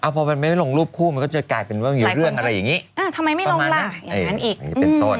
พอมันไม่ลงรูปคู่มันก็จะกลายเป็นว่ามีเรื่องอะไรอย่างนี้